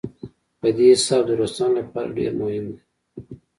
په دې حساب د روسانو لپاره ډېر مهم دی.